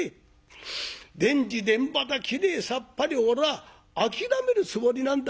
田地田畑きれいさっぱりおらは諦めるつもりなんだ。